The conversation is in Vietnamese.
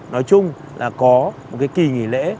nói chung là có một cái kỳ nghỉ lễ